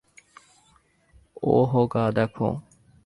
ওহগা, দেখো!